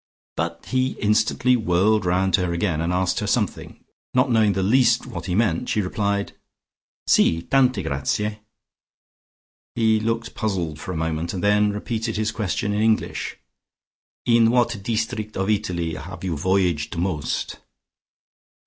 But he instantly whirled round to her again, and asked her something. Not knowing the least what he meant, she replied: "Si: tante grazie." He looked puzzled for a moment and then repeated his question in English. "In what deestrict of Italy 'ave you voyaged most?"